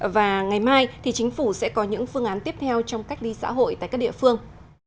và ngày mai thì chính phủ sẽ có những phương án tiếp theo trong cách ly xã hội tại các địa phương